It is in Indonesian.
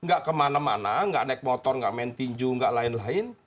gak kemana mana gak naik motor gak main pinju gak lain lain